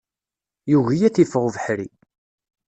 Yugi ad t-iffeɣ ubeḥri.